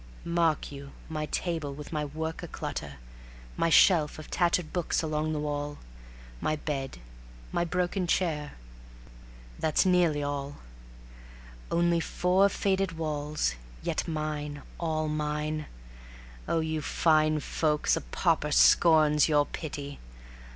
Mark you my table with my work a clutter, My shelf of tattered books along the wall, My bed, my broken chair that's nearly all. Only four faded walls, yet mine, all mine. Oh, you fine folks, a pauper scorns your pity.